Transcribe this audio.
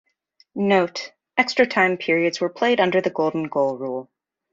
Note: Extra time periods were played under the golden goal rule.